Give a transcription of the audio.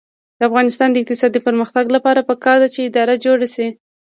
د افغانستان د اقتصادي پرمختګ لپاره پکار ده چې اداره جوړه شي.